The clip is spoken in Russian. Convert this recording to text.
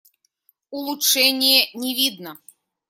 Улучшения не видно.